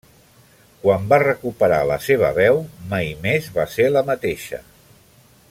Quan va recuperar la seva veu, mai més va ser la mateixa.